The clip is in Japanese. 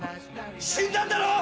死んだんだろ！？